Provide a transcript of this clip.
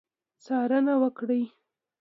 څارنه وکړي.